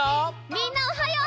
みんなおはよう！